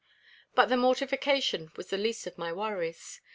"But the mortification was the least of my worries.